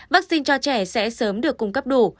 vaccine cho trẻ sẽ sớm được cung cấp đủ